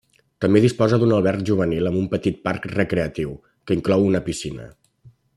També disposa d'un alberg juvenil amb un petit parc recreatiu, que inclou una piscina.